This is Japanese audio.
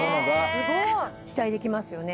すごい！期待できますよね。